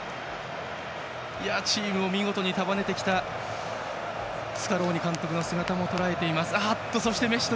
チームを見事に束ねてきたスカローニ監督の姿もとらえていました。